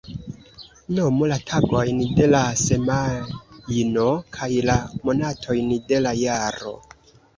Nomu la tagojn de la semajno kaj la monatojn de la jaro.